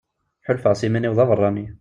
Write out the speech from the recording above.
Ḥulfaɣ s yiman-iw d abeṛṛani.